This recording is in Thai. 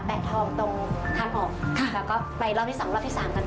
ทองตรงทางออกค่ะแล้วก็ไปรอบที่สองรอบที่สามกัน